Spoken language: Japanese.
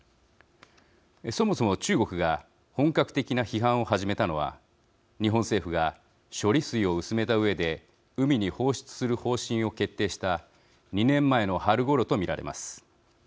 そもそも中国が本格的な批判を始めたのは日本政府が処理水を薄めたうえで海に放出する方針を決定した２年前の春ごろと見られます。